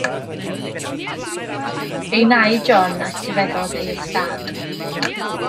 Ei nai John a etifeddodd ei ystâd.